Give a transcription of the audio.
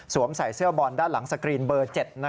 ใส่เสื้อบอลด้านหลังสกรีนเบอร์๗